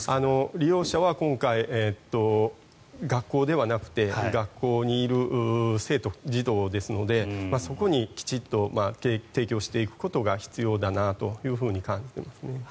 利用者は今回学校ではなくて学校にいる生徒・児童ですのでそこにきちっと提供していくことが必要だなと感じてます。